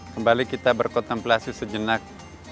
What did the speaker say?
kembali kita berkontemplasi sejenak